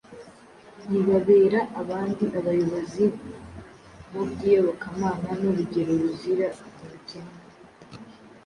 ntibabera abandi abayobozi mu by’iyobokamana n’urugero ruzira amakemwa.